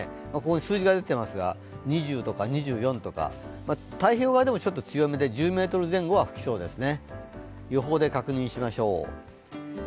数字が出ていますが、２０とか２４とか、太平洋側でも強めで１０メートル前後は吹きそうですね。